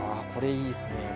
これいいですね